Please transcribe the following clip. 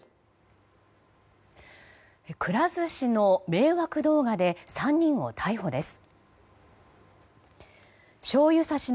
くら寿司の迷惑動画で３人を逮捕です。